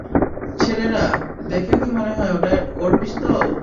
ছেলেরা, দেখে কি মনে হয় এটা ওর পিস্তল?